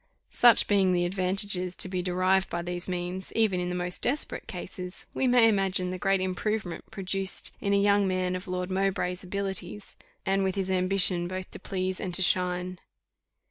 Such being the advantages to be derived by these means, even in the most desperate cases, we may imagine the great improvement produced in a young man of Lord Mowbray's abilities, and with his ambition both to please and to shine.